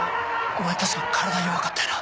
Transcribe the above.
お前確か体弱かったよな。